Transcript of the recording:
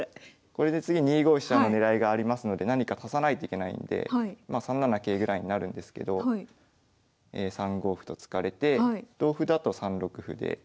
これで次２五飛車の狙いがありますので何か足さないといけないので３七桂ぐらいになるんですけど３五歩と突かれて同歩だと３六歩で。